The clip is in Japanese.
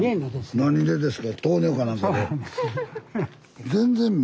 何でですか？